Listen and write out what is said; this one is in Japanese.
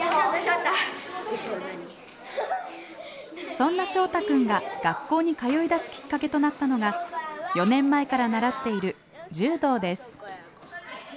そんなしょうたくんが学校に通いだすきっかけとなったのが４年前から習っている柔道です。